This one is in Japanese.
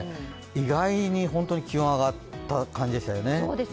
意外に、本当に気温が上がった感じでしたよね。